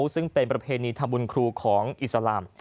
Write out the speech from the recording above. ซึ่งเป็นประเภณิธรรมบุญครูของมหรัฐสลาม